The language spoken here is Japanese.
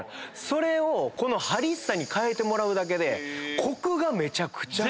それをこのハリッサに変えてもらうだけでコクがめちゃくちゃ。